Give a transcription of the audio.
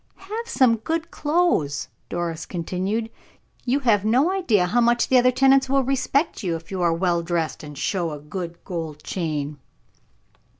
"Have some good clothes," Doris continued. "You have no idea how much the other tenants will respect you if you are well dressed and show a good gold chain."